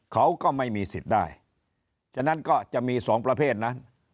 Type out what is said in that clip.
เขาก็ไม่มีสิทธิ์ได้ฉะนั้นก็จะมีสองประเภทนั้น